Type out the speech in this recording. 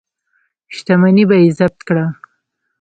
شتمني به یې ضبط کړه.